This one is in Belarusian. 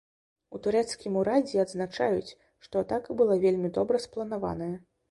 У турэцкім урадзе адзначаюць, што атака была вельмі добра спланаваная.